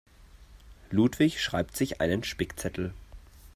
Ludwig schreibt sich einen Spickzettel.